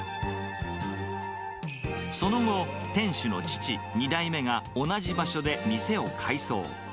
その後、店主の父、２代目が同じ場所で店を改装。